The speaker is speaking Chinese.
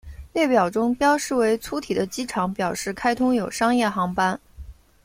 列表中标示为粗体的机场表示开通有商业航班。